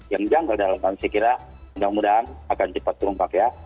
yang menjanggal dalam hal ini saya kira mudah mudahan akan cepat turun pak ya